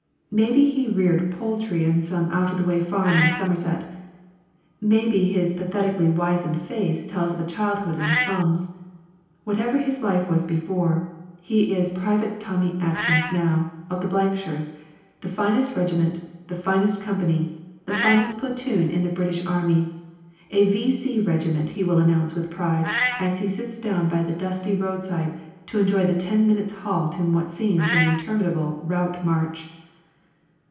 Maybe he reared poultry in some out of the way farm in Somerset. Maybe his pathetically wizened face tells of a childhood in the slums. Whatever his life was before, he is Private Tommy Atkins now, of the Blankshires the finest regiment, the finest company, the finest platoon in the British Army; a V.C. regiment he will announce with pride, as he sits down by the dusty roadside to enjoy the ten minutes' halt in what seems an interminable route march.